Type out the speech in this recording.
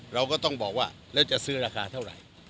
เราก็ต้องบอกว่าแล้วจะซื้อราคาเท่าไหร่